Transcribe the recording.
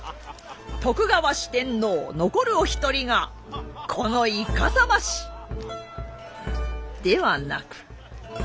徳川四天王残るお一人がこのイカサマ師ではなく。